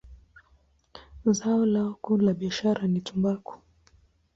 Zao lao kuu la biashara ni tumbaku.